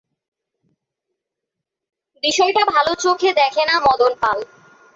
বিষয়টা ভালো চোখে দেখে না মদন পাল।